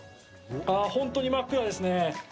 本当に真っ暗ですね。